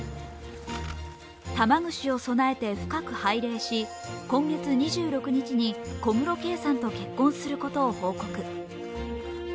玉串を備えて深く拝礼し今月２６日に小室圭さんと結婚することを報告。